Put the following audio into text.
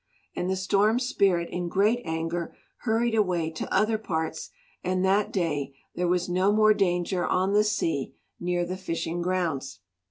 And the Storm Spirit in great anger hurried away to other parts, and that day there was no more danger on the sea near the fishing grounds.